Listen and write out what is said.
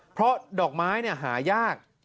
เพราะดอกไม้หายาก